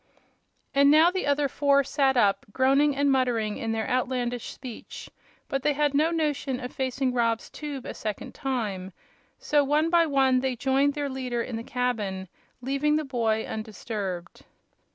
And now the other four sat up, groaning and muttering in their outlandish speech; But they had no notion of facing Rob's tube a second time, so one by one they joined their leader in the cabin, leaving the boy undisturbed.